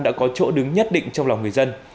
đã có chỗ đứng nhất định trong lòng người dân